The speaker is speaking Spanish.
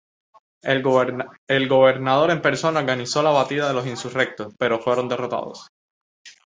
El gobernador en persona organizó la batida de los insurrectos, pero fueron derrotados.